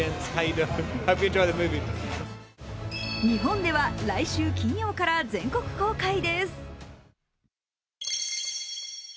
日本では来週金曜から全国公開です。